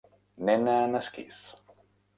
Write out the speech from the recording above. Nena en esquís